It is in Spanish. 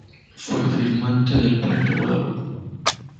Fue firmante del Plan de Guadalupe.